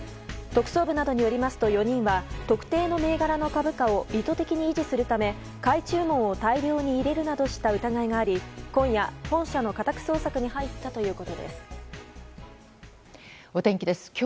特捜部などによりますと、４人は特定の銘柄の株価を意図的に維持するため買い注文を大量に入れるなどした疑いがあり今夜、本社の家宅捜索に入ったということです。